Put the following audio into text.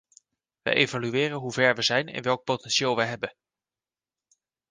We evalueren hoe ver we zijn en welk potentieel we hebben.